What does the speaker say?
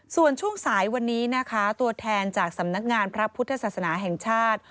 ส่วนช่วงสายวันนี้นะคะตัวแทนจากสำนักงานพระพุทธศาสนาแห่งชาติ